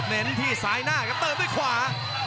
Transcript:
เน้นที่ซ้ายหน้าครับเติมด้วยขวา